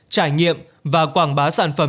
trải nghiệm và quảng bá sản phẩm